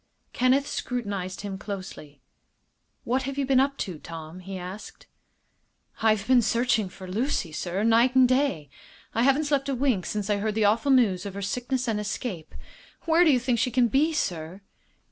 Kenneth scrutinized him closely. "What have you been up to, Tom?" he asked. "I've been searching for Lucy, sir, night and day. I haven't slept a wink since I heard the awful news of her sickness and escape. Where do you think she can be, sir?"